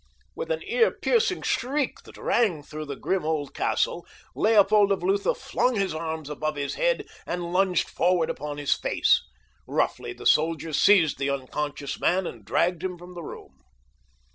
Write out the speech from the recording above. With an ear piercing shriek that rang through the grim old castle, Leopold of Lutha flung his arms above his head and lunged forward upon his face. Roughly the soldiers seized the unconscious man and dragged him from the room.